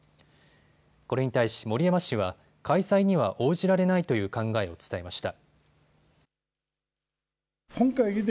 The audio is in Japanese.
これに対し森山氏は開催には応じられないという考えを伝えました。